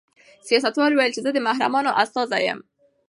سیاستوال وویل چې زه د محرومانو استازی یم.